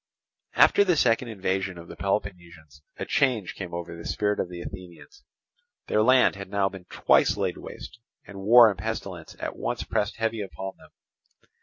After the second invasion of the Peloponnesians a change came over the spirit of the Athenians. Their land had now been twice laid waste; and war and pestilence at once pressed heavy upon them.